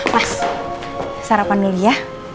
mas sarapan dulu ya